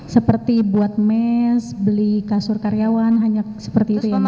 seperti buat mes beli kasur karyawan hanya seperti itu ya mas